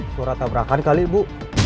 suara tabrakan kali bu